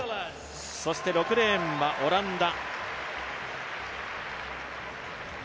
そして６レーンはオランダ。